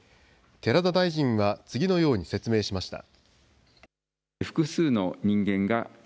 寺田大臣は次のように説明しました。